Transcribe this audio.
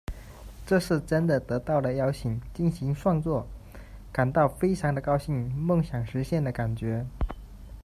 这次真的得到了邀请进行创作感到非常的高兴，梦想实现的感觉”。